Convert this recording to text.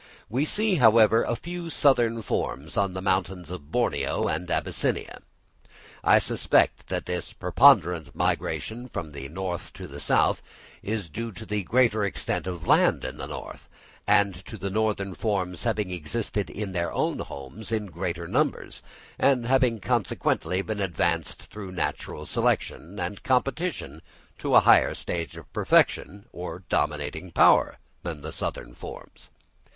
We see, however, a few southern forms on the mountains of Borneo and Abyssinia. I suspect that this preponderant migration from the north to the south is due to the greater extent of land in the north, and to the northern forms having existed in their own homes in greater numbers, and having consequently been advanced through natural selection and competition to a higher stage of perfection, or dominating power, than the southern forms.